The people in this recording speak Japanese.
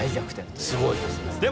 すごいですね。